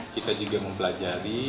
kita juga mempelajari